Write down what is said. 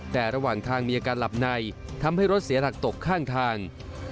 แต่ระหว่างทางมีอาการหลับในทำให้รถเสียหลักตกข้างทาง